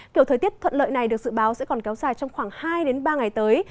kiểu thời tiết thuận lợi này được dự báo sẽ còn kéo dài trong khoảng hai ba ngày tới